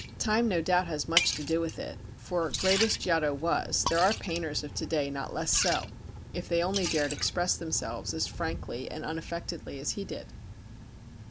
Time no doubt has much to do with it, for, great as Giotto was, there are painters of to day not less so, if they only dared express themselves as frankly and unaffectedly as he did.